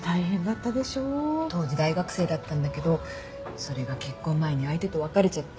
当時大学生だったんだけどそれが結婚前に相手と別れちゃって。